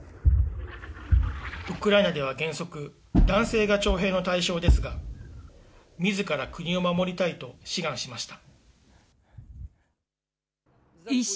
ウクライナでは原則、男性が徴兵の対象ですが、みずから国を守りたいと志願しました。